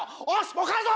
もう帰るぞ！